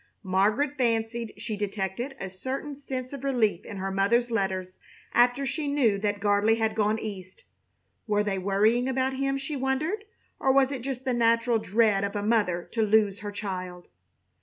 Margaret fancied she detected a certain sense of relief in her mother's letters after she knew that Gardley had gone East. Were they worrying about him, she wondered, or was it just the natural dread of a mother to lose her child?